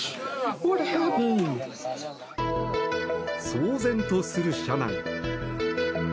騒然とする車内。